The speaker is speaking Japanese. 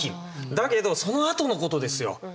だけどそのあとのことですよ。